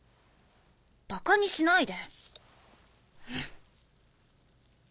ばかにしないで。